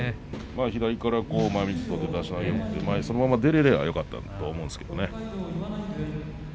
左から前みつ取って出し投げを打ってそのまま出られればよかったんですが。